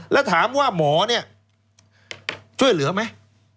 แล้วถามว่าหมอเนี่ยช่วยเหลือไหม